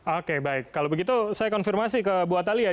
oke baik kalau begitu saya konfirmasi ke bu atalia